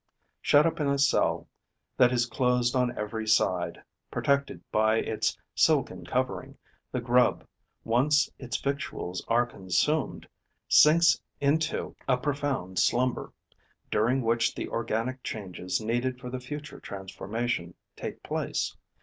Shut up in a cell that is closed on every side, protected by its silken covering, the grub, once its victuals are consumed, sinks into a profound slumber, during which the organic changes needed for the future transformation take place.